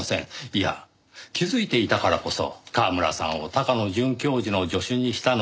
いや気づいていたからこそ川村さんを高野准教授の助手にしたのではないか。